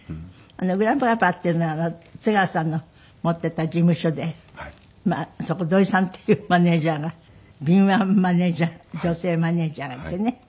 グランパパっていうのは津川さんの持っていた事務所でまあそこ土井さんっていうマネジャーが敏腕マネジャー女性マネジャーがいてね。